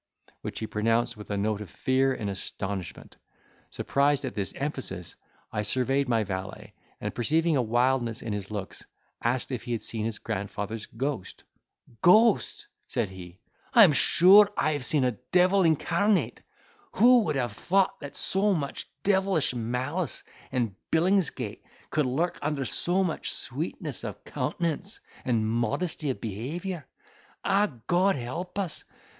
which he pronounced with a note of fear and astonishment. Surprised at this emphasis, I surveyed my valet, and, perceiving a wildness in his looks, asked if he had seen his grandfather's ghost? "Ghost!" said he, "I am sure I have seen a devil incarnate! Who would have thought that so much devilish malice and Billingsgate could lurk under so much sweetness of countenance and modesty of behaviour? Ah! God help us!